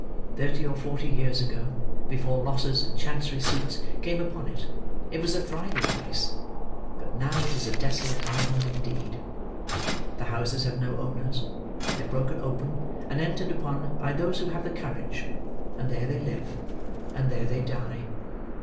Thirty or forty years ago, before losses and chancery suits came upon it, it was a thriving place; but now it is a desolate island indeed. The houses have no owners; they are broken open, and entered upon by those who have the courage; and there they live, and there they die.